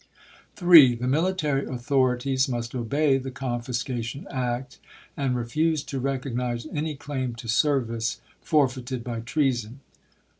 3. The military authorities must obey the confiscation act, and refuse to recognize any claim to service forfeited by treason.